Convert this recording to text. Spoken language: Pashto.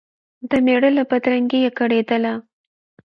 د مېړه له بدرنګیه کړېدله